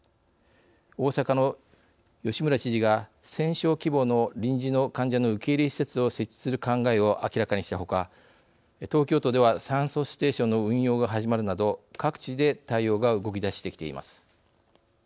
大阪の吉村知事が１０００床規模の臨時の患者の受け入れ施設を設置する考えを明らかにしたほか東京都では酸素ステーションの運用が始まるなど各地で対応が動き出してきています。